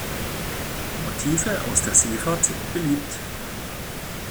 Motive aus der Seefahrt sind beliebt.